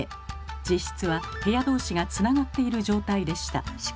実質は部屋同士がつながっている状態でした。